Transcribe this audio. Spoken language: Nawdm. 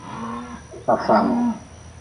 Fafagu.